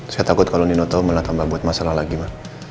saya takut kalau nino tau malah tambah buat masalah lagi pak